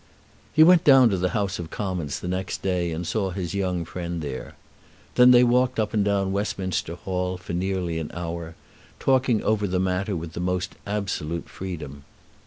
He went down to the House of Commons the next day, and saw his young friend there. Then they walked up and down Westminster Hall for nearly an hour, talking over the matter with the most absolute freedom.